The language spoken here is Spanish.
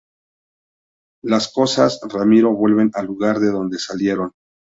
Las cosas, Ramiro, vuelven al lugar de donde salieron.